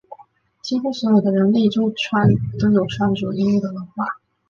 几乎所有的人类都有穿着衣物的文化。